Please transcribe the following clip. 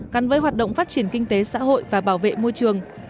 gắn với hoạt động phát triển kinh tế xã hội và bảo vệ môi trường